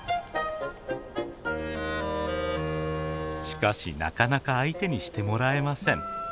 しかしなかなか相手にしてもらえません。